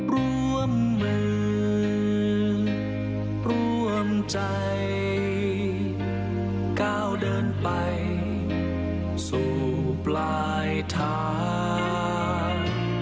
ร่วมมือร่วมใจก้าวเดินไปสู่ปลายทาง